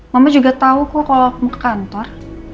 mama juga tahu kok kalau mau ke kantor